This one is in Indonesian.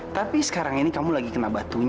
tapi sekarang ini kamu lagi kena batunya